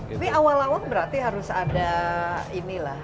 jadi awal awal berarti harus ada inilah